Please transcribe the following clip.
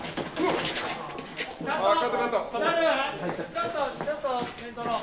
ちょっとちょっと面取ろう。